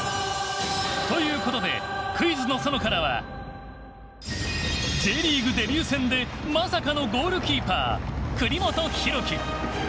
ということで「クイズの園」からはＪリーグデビュー戦でまさかのゴールキーパー栗本広輝。